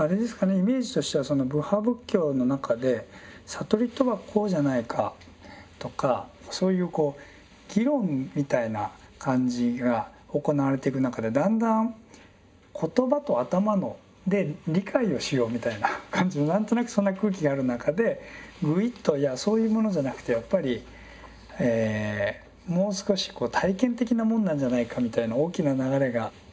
イメージとしてはその部派仏教の中で悟りとはこうじゃないかとかそういうこう議論みたいな感じが行われていく中でだんだん言葉と頭で理解をしようみたいな感じの何となくそんな空気がある中でぐいっといやそういうものじゃなくてやっぱりもう少し体験的なもんなんじゃないかみたいな大きな流れが。